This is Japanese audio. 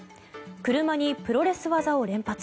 車にプロレス技を連発。